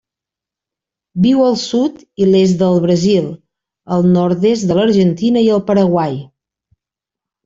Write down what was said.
Viu al sud i l'est del Brasil, el nord-est de l'Argentina i el Paraguai.